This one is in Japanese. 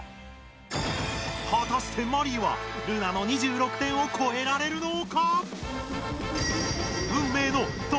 はたしてマリイはルナの２６点をこえられるのか！？